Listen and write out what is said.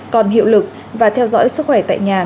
còn hiệu lực và theo dõi sức khỏe tại nhà